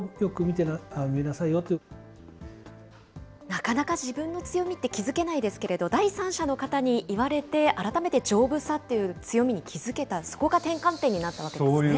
なかなか自分の強みって気付けないですけど、第三者の方に言われて改めて丈夫さという強みに気付けた、そこが転換点になったわけですよね。